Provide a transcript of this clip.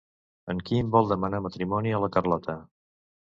En Quim vol demanar matrimoni a la Carlota.